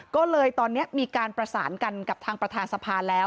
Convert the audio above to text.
ก็เลยตอนนี้มีการประสานกันกับทางประธานสภาแล้ว